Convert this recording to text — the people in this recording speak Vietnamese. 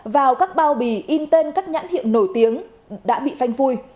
vào các bao bì in tên các nhãn hiệu nổi tiếng đã bị phanh phui